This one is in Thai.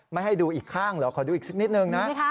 ไม่ให้ดูอีกข้างเหรอขอดูอีกสักนิดนึงนะ